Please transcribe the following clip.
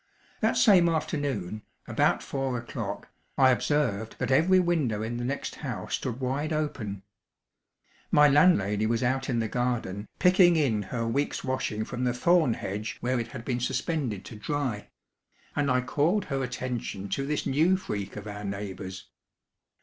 That same afternoon, about four o'clock, I observed that every window in the next house stood wide open. My landlady was out in the garden, "picking in" her week's washing from the thorn hedge where it had been suspended to dry; and I called her attention to this new freak of our neighbours.